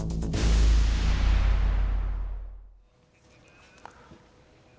มค